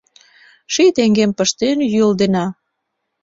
Ший теҥгем пыштен йӱылдена.